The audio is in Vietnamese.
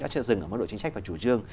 chưa dừng ở mức độ chính sách và chủ trương